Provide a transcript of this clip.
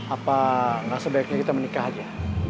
apa nggak sebaiknya kita menikah aja